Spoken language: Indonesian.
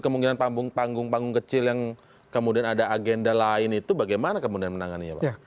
kemungkinan panggung panggung kecil yang kemudian ada agenda lain itu bagaimana kemudian menangannya pak